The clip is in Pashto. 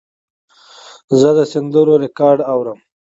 زه د سندرو ریکارډ اورم.